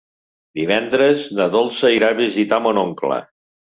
Divendres na Dolça irà a visitar mon oncle.